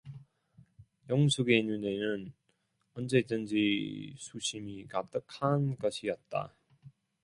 영숙의 눈에는 언제든지 수심이 가득한 것이었다.